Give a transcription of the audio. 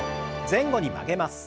前後に曲げます。